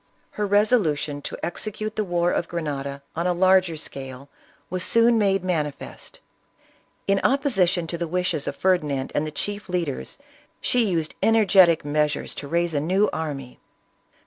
Her resolution to execute the war of Grenada on a ISABELLA OF CASTILE. 89 larger scale, was soon made manifest ; in opposition to the wishes of Ferdinand and the chief leaders, she used energetic measures to raise a new army.